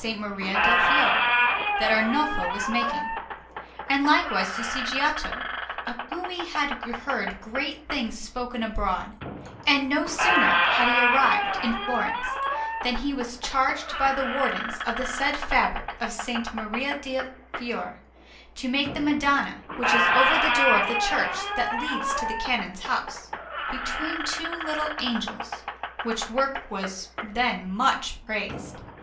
Maria del Fiore that Arnolfo was making, and likewise to see Giotto, of whom he had heard great things spoken abroad; and no sooner had he arrived in Florence than he was charged by the Wardens of the said fabric of S. Maria del Fiore to make the Madonna which is over that door of the church that leads to the Canon's house, between two little angels; which work was then much praised.